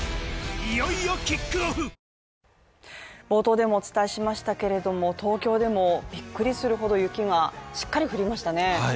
冒頭でもお伝えしましたけれども東京でもびっくりするほど雪がしっかり降りましたね